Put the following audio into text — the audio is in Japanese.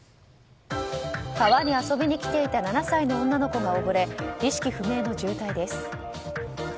川に遊びに来ていた７歳の女の子が溺れ意識不明の重体です。